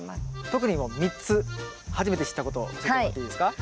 特にもう３つ初めて知ったこと教えてもらっていいですか？